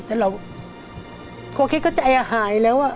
แต่เราควรคิดก็ใจหายแล้ว